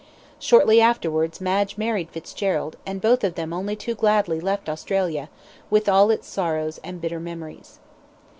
Shortly afterwards Madge married Fitzgerald, and both of them only too gladly left Australia, with all its sorrows and bitter memories.